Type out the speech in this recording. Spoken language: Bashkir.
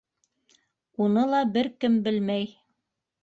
Уны ла бер кем белмәй...